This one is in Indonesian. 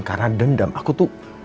karena dendam aku tuh